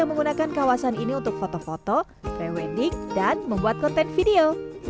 kami juga menikmati kawasan ini untuk foto foto prewedik dan membuat konten video